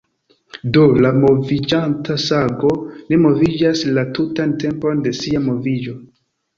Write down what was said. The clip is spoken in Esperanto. Do, la moviĝanta sago ne moviĝas la tutan tempon de sia moviĝo".